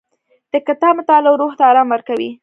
د کتاب مطالعه روح ته ارام ورکوي.